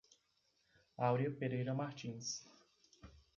Aurea Pereira Martins